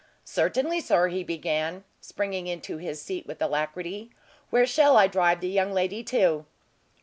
"Certainly, sir," he began, springing into his seat with alacrity. "Where shall I drive the young lady to?"